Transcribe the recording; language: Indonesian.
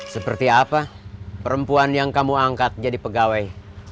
seperti apa perempuan yang kamu angkat jadi pegawai